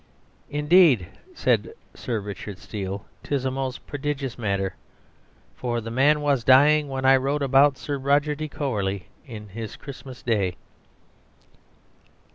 "Indeed," said Sir Richard Steele, "?'tis a most prodigious matter, for the man was dying when I wrote about Sir Roger de Coverley and his Christmas Day."